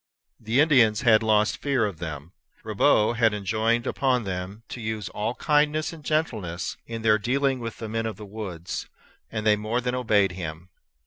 The Indians had lost fear of them. Ribaut had enjoined upon them to use all kindness and gentleness in their dealing with the men of the woods; and they more than obeyed him.